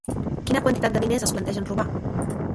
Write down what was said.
Quina quantitat de diners es plantegen robar?